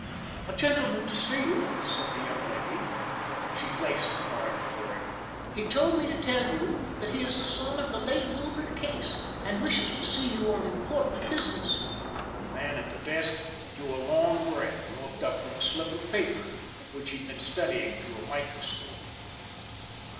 "A gentleman to see you," said the young lady. She placed the card before him. "He told me to tell you that he is the son of the late Wilbur Case, and wishes to see you on important business." The man at the desk drew a long breath and looked up from a slip of paper which he had been studying through a microscope.